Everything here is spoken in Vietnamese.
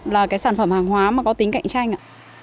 là cái sản phẩm hàng hóa mà có tính cạnh tranh ạ